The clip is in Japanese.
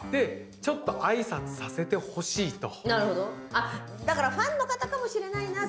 あっだからファンの方かもしれないなっていうね。